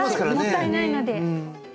もったいないので。